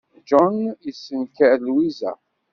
John yessenker Lwiza.